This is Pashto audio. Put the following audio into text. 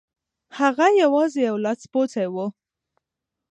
هغه یوازې یو لاسپوڅی و.